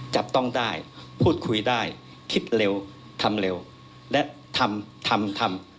จับต้องได้พูดคุยได้คิดเร็วทำเร็วและทำทำทำทำ